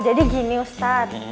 jadi gini ustadz